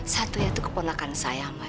satria itu keponakan saya ma